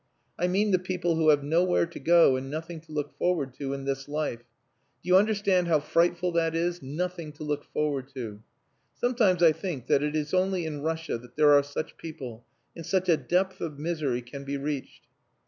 I mean the people who have nowhere to go and nothing to look forward to in this life. Do you understand how frightful that is nothing to look forward to! Sometimes I think that it is only in Russia that there are such people and such a depth of misery can be reached.